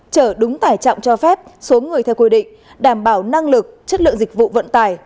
chở đúng tải trọng cho phép số người theo quy định đảm bảo năng lực chất lượng dịch vụ vận tải